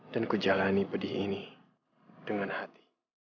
dan ku jalani pedih ini dengan hati